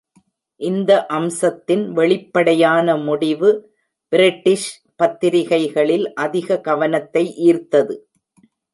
இந்த அம்சத்தின் வெளிப்படையான முடிவு பிரிட்டிஷ் பத்திரிகைகளில் அதிக கவனத்தை ஈர்த்தது.